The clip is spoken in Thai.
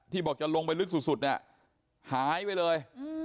บอกจะลงไปลึกสุดเนี่ยหายไปเลย